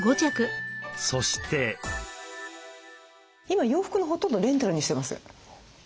今洋服のほとんどをレンタルにしてます。